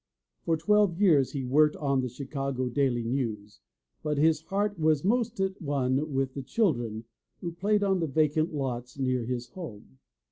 For twelve years he worked on the Chicago Daily News but his heart was most at one with the children who played on the vacant lots near his home.